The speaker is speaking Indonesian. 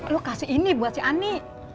lo kasih ini buat si ani